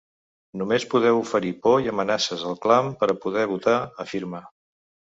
Només podeu oferir por i amenaces al clam per a poder votar, afirma.